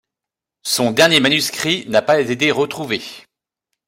Son dernier manuscrit n’a pas été retrouvé.